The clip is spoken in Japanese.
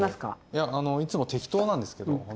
いやあのいつも適当なんですけどほんと。